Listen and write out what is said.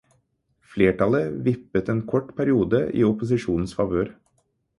Flertallet vippet en kort periode i opposisjonens favør.